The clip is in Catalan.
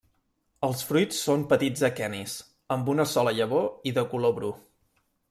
Els fruits són petits aquenis, amb una sola llavor i de color bru.